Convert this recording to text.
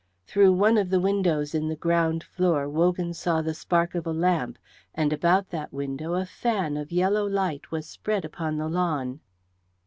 Through one of the windows in the ground floor Wogan saw the spark of a lamp, and about that window a fan of yellow light was spread upon the lawn.